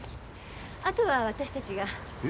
あとは私たちが。え？